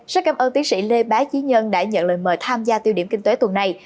rất cảm ơn tiến sĩ lê bá trí nhân đã nhận lời mời tham gia tiêu điểm kinh tế tuần này